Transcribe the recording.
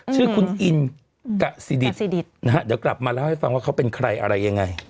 ชื่อคุณอินกะสิดิตนะฮะเดี๋ยวกลับมาเล่าให้ฟังว่าเขาเป็นใครอะไรยังไง